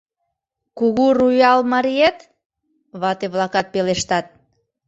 Кугу Руял мариет? — вате-влакат пелештат.